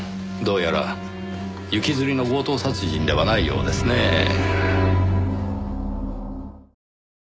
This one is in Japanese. どうやら行きずりの強盗殺人ではないようですねぇ。